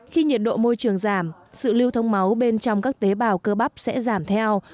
khi nhiệt độ môi trường giảm sự lưu thông máu bên trong các tế bào cơ bắp sẽ giảm theo